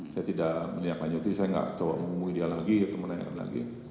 saya tidak meniak meniak saya tidak coba mengumum dia lagi atau menanyakan lagi